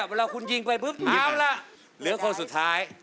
เวลาคุณยิงไปแบบนี้แหละรู้ได้หลังภาพคนสุดท้าย